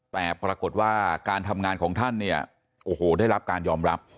แต่ปรากฏว่าการทำงานของท่านได้รับการยอมรับ